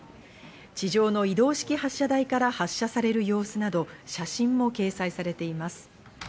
地上の移動式発射台から発射される様子など写真も掲載されています。